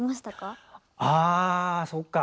あそっか。